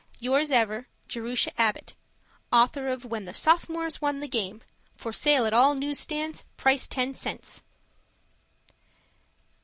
Yours ever, Jerusha Abbott, Author of When the Sophomores Won the Game. For sale at all news stands, price ten cents.